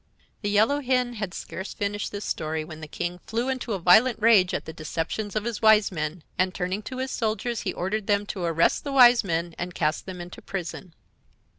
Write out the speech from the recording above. The Yellow Hen had scarce finished this story when the King flew into a violent rage at the deceptions of his Wise Men, and turning to his soldiers he ordered them to arrest the Wise Men and cast them into prison.